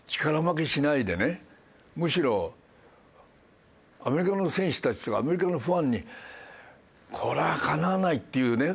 むしろアメリカの選手たちとかアメリカのファンにこれはかなわないっていうね